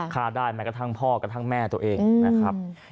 ฆ่าได้แม้กระทั่งพ่อกระทั่งแม่ตัวเองนะครับ